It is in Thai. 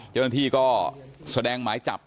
เจ้าหน้าที่ก็แสดงหมายจับ